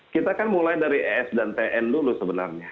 kita kan mulai dari es dan tn dulu sebenarnya